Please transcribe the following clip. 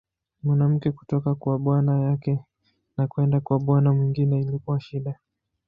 Mwanamke kutoka kwa bwana yake na kwenda kwa bwana mwingine ilikuwa shida.